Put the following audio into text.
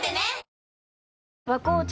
新「和紅茶」